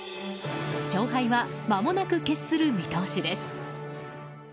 勝敗はまもなく決する見通しです。